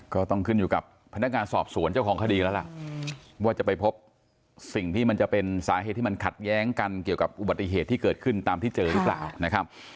ก็ต้องขึ้นอยู่กับพนักงานสอบสวนเจ้าของคดีแล้วล่ะว่าจะไปพบสิ่งที่มันจะเป็นสาเหตุที่มันขัดแย้งกันเกี่ยวกับอุบัติเหตุที่เกิดขึ้นตามที่เจอหรือเปล่านะครับ